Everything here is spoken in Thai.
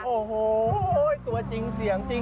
โอ้โหตัวจริงเสียงจริง